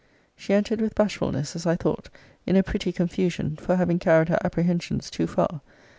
She entered with bashfulness, as I thought; in a pretty confusion, for having carried her apprehensions too far.